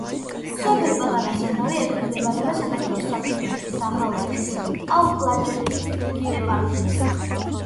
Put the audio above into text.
სოფელი პატარა ზანავი ექვემდებარება საქართველოს საპატრიარქოს ახალციხისა და ტაო-კლარჯეთის ეპარქიას.